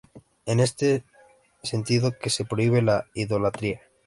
Es en este sentido que se prohíbe la idolatría.